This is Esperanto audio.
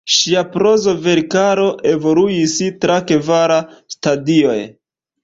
Ŝia proza verkaro evoluis tra kvar stadioj.